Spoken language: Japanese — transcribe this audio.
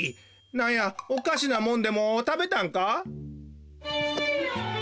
なんやおかしなもんでもたべたんか？